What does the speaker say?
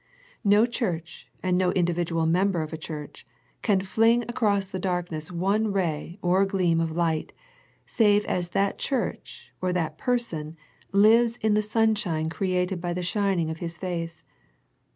No church and no individual member of a church, can fling across the darkness one ray or gleam of light save as that church or that person lives in the sunshine created by the shining of His face.